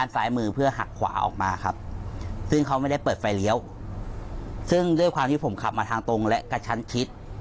ซึ่งด้วยความที่ผมขับมาทางตรงและกระชันชิด